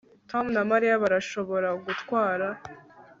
Tom na Mariya barashobora gutwara